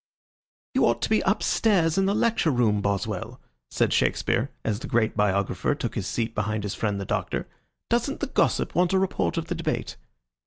"You ought to be up stairs in the lecture room, Boswell," said Shakespeare, as the great biographer took his seat behind his friend the Doctor. "Doesn't the Gossip want a report of the debate?"